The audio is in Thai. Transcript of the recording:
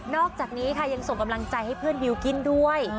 อกจากนี้ค่ะยังส่งกำลังใจให้เพื่อนบิลกิ้นด้วย